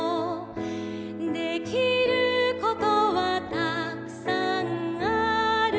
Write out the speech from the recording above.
「できることはたくさんあるよ」